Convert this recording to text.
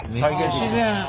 自然！